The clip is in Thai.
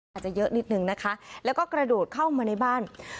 อาจจะเยอะนิดนึงนะคะแล้วก็กระโดดเข้ามาในบ้าน